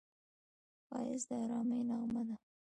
ښایست د ارامۍ نغمه ده